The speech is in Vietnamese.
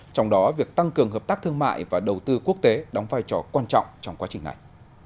trong đó việc tăng cường hợp tác thương mại và đầu tư quốc tế đóng vai trò quan trọng trong quá trình này